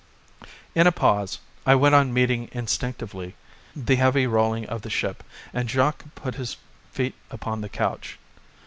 In a pause I went on meeting instinctively the heavy rolling of the ship, and Jacques put his feet upon the couch.